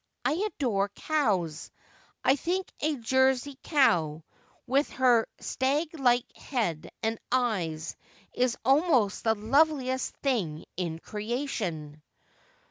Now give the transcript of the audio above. I adore cows. I think a Jersey cow, with her stag like head and eyes, is almost the loveliest thing in creation.'